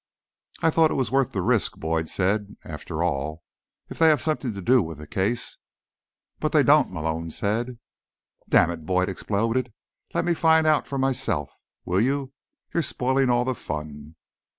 "I thought it was worth the risk," Boyd said. "After all, if they have something to do with the case—" "But they don't," Malone said. "Damn it," Boyd exploded, "let me find out for myself, will you? You're spoiling all the fun."